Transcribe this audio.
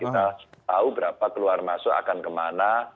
kita tahu berapa keluar masuk akan kemana